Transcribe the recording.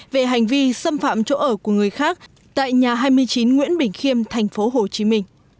về hành vi xâm phạm chỗ ở của người khác tại nhà hai mươi chín nguyễn bình khiêm tp hcm